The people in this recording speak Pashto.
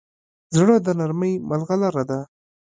زړه د نرمۍ مرغلره ده.